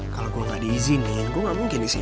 kalau gue gak diizinin gue gak mungkin disini